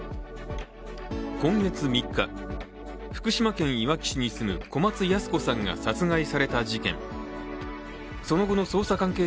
今月３日、福島県いわき市に住む小松ヤス子さんが殺害された事件。